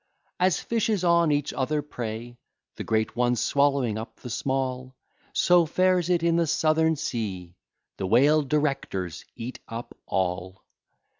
As fishes on each other prey, The great ones swallowing up the small, So fares it in the Southern Sea; The whale directors eat up all.